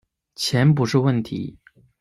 钱不是问题